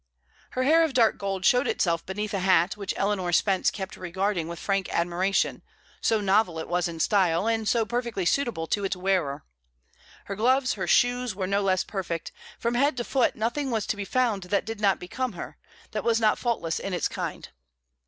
Her hair of dark gold showed itself beneath a hat which Eleanor Spence kept regarding with frank admiration, so novel it was in style, and so perfectly suitable to its wearer. Her gloves, her shoes, were no less perfect; from head to foot nothing was to be found that did not become her, that was not faultless in its kind.